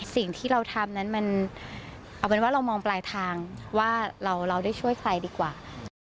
สิ่งที่เราทำนั้นมันเอาเป็นว่าเรามองปลายทางว่าเราได้ช่วยใครดีกว่า